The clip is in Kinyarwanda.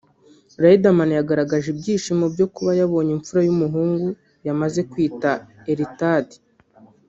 Riderman yagaragaje ibyishimo byo kuba yabonye imfura y’umuhungu yamaze kwita Eltad